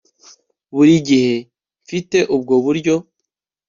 Buri gihe mfite ubwo buryo